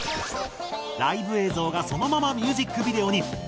ライブ映像がそのままミュージックビデオに。